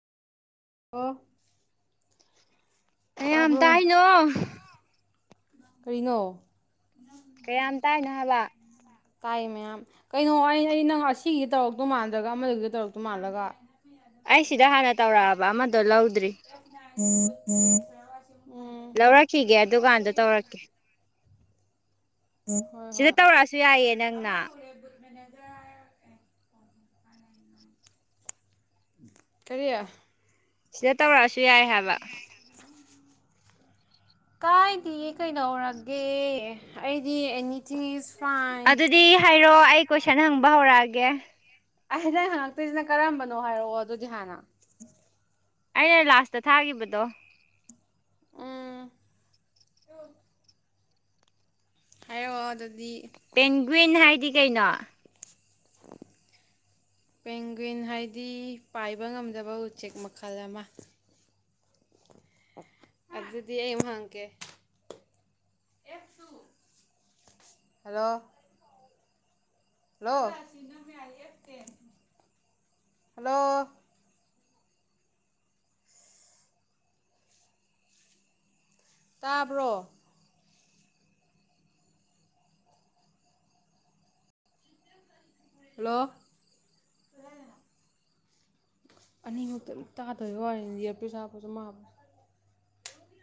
ꯑꯣ꯫ ꯀꯌꯥꯝ ꯇꯥꯕ꯭ꯔꯣ ꯇꯥꯏꯅꯣ? ꯀꯔꯤꯅꯣ? ꯀꯌꯥꯝ ꯇꯥꯏꯅꯣ ꯍꯥꯏꯕ꯫ ꯇꯥꯏ ꯃꯌꯥꯝ ꯀꯩꯅꯣ ꯑꯩ ꯑꯩ ꯅꯪ ꯑꯁꯤꯒꯤ ꯇꯧꯔꯛꯇꯧ ꯃꯥꯟꯗ꯭ꯔꯒ ꯑꯃꯒꯤꯗ ꯇꯧꯔꯛꯇꯣ ꯃꯥꯜꯂꯒ꯫ ꯑꯩ ꯁꯤꯗ ꯍꯥꯟꯅ ꯇꯧꯔꯛꯑꯕ ꯑꯃꯗꯣ ꯂꯧ [unintelligible] [unintelligible] ꯂꯧꯔꯛꯈꯤꯒꯦ ꯗꯨꯀꯥꯟꯗ ꯇꯧꯔꯛꯀꯦ ꯫ ꯍꯣꯏ ꯁꯤꯗ ꯍꯣꯏ ꯇꯧꯔꯛꯑꯁꯨ ꯌꯥꯏꯌꯦ ꯅꯪꯅ꯫ ꯀꯔꯤ? ꯁꯤꯗ ꯇꯧꯔꯛꯑꯁꯨ ꯌꯥꯏ ꯍꯥꯏꯕ꯫ ꯀꯥꯏꯗꯤ ꯀꯩꯩꯅꯗꯧꯔꯒꯦ ꯑꯩ ꯗꯤ ꯑꯦꯅꯤꯊꯤꯡ ꯏꯖ ꯐꯥꯏꯟ ꯫ ꯏꯔꯣ ꯑꯩ ꯀꯣꯏꯁꯟ ꯍꯪꯕ ꯍꯧꯔꯛꯑꯒꯦ ꯫ ꯑꯩ ꯅꯪ ꯍꯪꯉꯛꯇꯣꯏꯁꯤꯅ ꯀꯔꯝꯕꯅꯣ ꯍꯥꯏꯔꯛꯑꯣ ꯑꯗꯨꯗꯤ ꯍꯥꯟꯅ꯫ ꯑꯩꯅ ꯂꯥꯁꯇ ꯊꯥꯈꯤꯕꯗꯣ꯫ ꯎꯝ ꯍꯥꯏꯔꯛ ꯑꯣ ꯑꯗꯨꯗꯤ꯫ ꯄꯦꯟꯒ꯭ꯋꯤꯟ ꯍꯥꯏꯗꯤ ꯀꯩꯅꯣ ꯄꯦꯡꯒ꯭ꯋꯤꯟ ꯍꯥꯏꯗꯤ ꯄꯥꯏꯕ ꯉꯝꯗꯕ ꯎꯆꯦꯛ ꯃꯈꯜ ꯑꯃ꯫ ꯑꯗꯨꯗꯤ ꯑꯩ ꯍꯥꯡꯀꯦ ꯍꯜꯂꯣ! ꯍꯜꯂꯣ! ꯍꯜꯂꯣ! ꯇꯥꯕ꯭ꯔꯣ? ꯍꯜꯂꯣ! ꯑꯅꯤꯃꯛꯇ ꯇꯥꯗꯕ ꯋꯥꯔꯦꯅꯤ ꯌꯦꯔꯄꯤ ꯁꯥꯥꯄꯁꯨ ꯃꯥꯕ